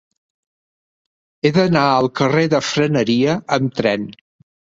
He d'anar al carrer de Freneria amb tren.